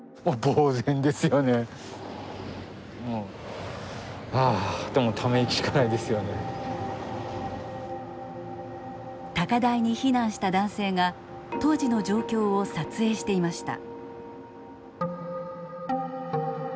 もうはあって高台に避難した男性が当時の状況を撮影していました。